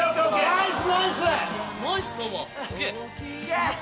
ナイス！